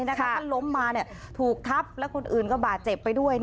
ถ้าล้มมาถูกทับแล้วคนอื่นก็บาดเจ็บไปด้วย